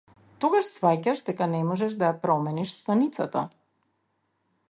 Тогаш сфаќаш дека не можеш да ја промениш станицата.